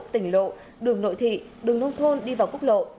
tỉnh lộ đường nội thị đường nông thôn đi vào quốc lộ